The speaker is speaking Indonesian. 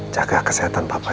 jaga kesehatan papa ya